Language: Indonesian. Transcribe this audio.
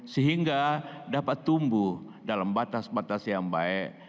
sehingga dapat tumbuh dalam batas batas yang baik